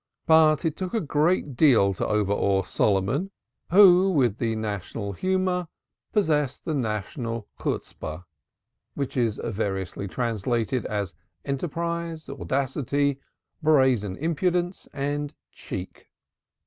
But it took a great deal to overawe Solomon, who, with the national humor, possessed the national Chutzpah, which is variously translated enterprise, audacity, brazen impudence and cheek.